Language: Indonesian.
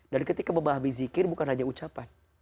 dan ketika memahami zikir bukan hanya ucapan